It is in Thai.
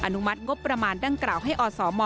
นุมัติงบประมาณดังกล่าวให้อสม